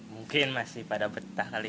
mungkin masih pada betah kali